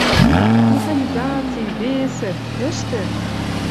Механизаци, весӹ — ӹштӹ!